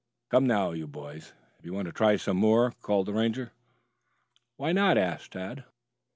"Come now, you boys, if you want to try some more," called the Ranger. "What now?" asked Tad.